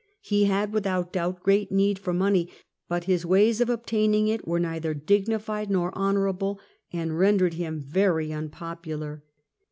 He had, without doubt, great need for money, but his ways of obtaining it were neither dignified nor honourable and rendered him very unpopular.